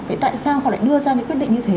vậy tại sao họ lại đưa ra những quyết định như thế